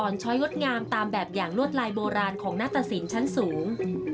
อ่อนช้อยวดงามตามแบบอย่างรวดลายโบราณของหน้าตะศิลป์ชั้นสูง